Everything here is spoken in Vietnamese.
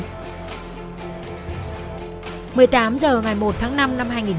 một mươi tám h ngày một tháng năm năm hai nghìn một mươi chín